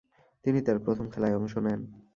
তিনি তার প্রথম খেলায় অংশ নেন।